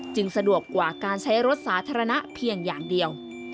สะดวกกว่าการใช้รถสาธารณะเพียงอย่างเดียว